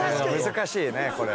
難しいねこれ。